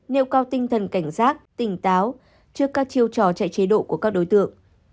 nêu cao tinh thần cảnh giác tỉnh táo trước các chiêu trò chạy chế độ của các đối tượng